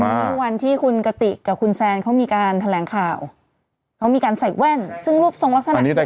เมื่อวันที่คุณกติเธอคุณแซนเขามีการแทรกข้าวเรามีการใส่แว่นซึ่งลูปเมื่องี้เลย